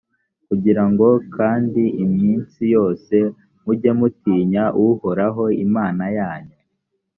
kugira ngo kandi iminsi yose mujye mutinya uhoraho, imana yanyu.